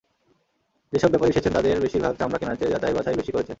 যেসব ব্যাপারী এসেছেন, তাঁদের বেশির ভাগ চামড়া কেনার চেয়ে যাচাই-বাছাই বেশি করেছেন।